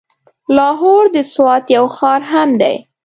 لاهور د سوات يو ښار هم دی.